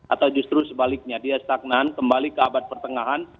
atau justru sebaliknya dia stagnan kembali ke abad pertengahan